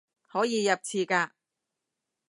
可以入廁格